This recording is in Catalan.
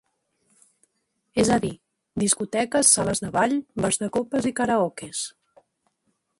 És a dir, discoteques, sales de ball, bars de copes i karaokes.